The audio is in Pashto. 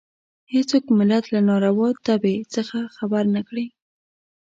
هېڅوک ملت له ناروا تبې څخه خبر نه کړي.